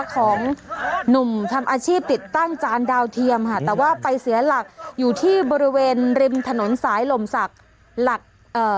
ของหนุ่มทำอาชีพติดตั้งจานดาวเทียมค่ะแต่ว่าไปเสียหลักอยู่ที่บริเวณริมถนนสายลมศักดิ์หลักเอ่อ